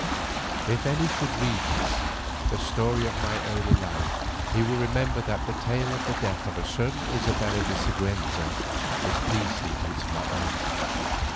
If any should read this, the story of my early life, he will remember that the tale of the death of a certain Isabella de Siguenza is pieced into its motley.